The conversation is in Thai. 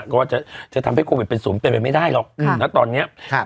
ก็จะจะทำให้โควิดเป็นศูนย์เป็นไปไม่ได้หรอกนะตอนเนี้ยครับ